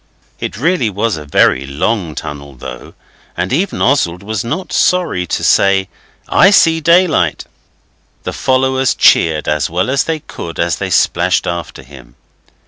It really was a very long tunnel, though, and even Oswald was not sorry to say, 'I see daylight.' The followers cheered as well as they could as they splashed after him.